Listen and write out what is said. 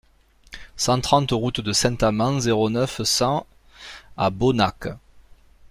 cent trente route de Saint-Amans, zéro neuf, cent à Bonnac